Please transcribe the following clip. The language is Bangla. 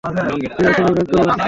তুই আসলেই ভাগ্যবান।